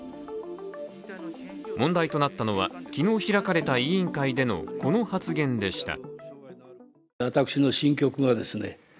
問題となったのは昨日開かれた委員会でのこの発言でした。